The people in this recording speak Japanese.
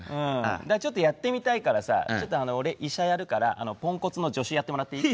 だからちょっとやってみたいからさちょっと俺医者やるからポンコツの助手やってもらっていい？